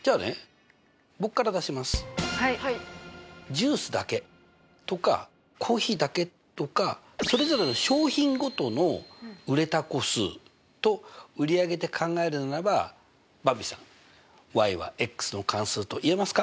ジュースだけとかコーヒーだけとかそれぞれの商品ごとの売れた個数と売り上げで考えるのならばばんびさんはの関数と言えますか？